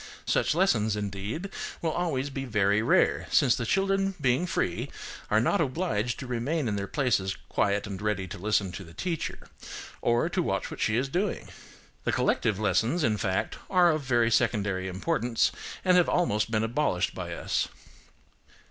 Such lessons, indeed, will always be very rare, since the children being free are not obliged to remain in their places quiet and ready to listen to the teacher, or to watch what she is doing. The collective lessons, in fact, are of very secondary importance, and have been almost abolished by us.